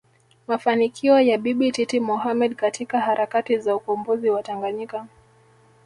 mafanikio ya Bibi Titi Mohamed katika harakati za ukombozi wa Tanganyika